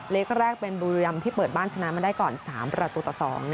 เล็กแรกเป็นบุรีรำที่เปิดบ้านชนะมาได้ก่อน๓ประตูต่อ๒